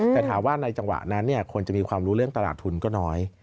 แต่ถามว่าในจังหวะนั้นคนจะมีความรู้เรื่องตลาดทุนก็น้อย